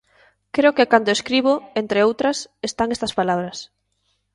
Creo que cando escribo, entre outras, están estas palabras.